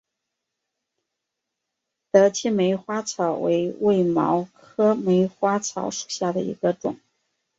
德钦梅花草为卫矛科梅花草属下的一个种。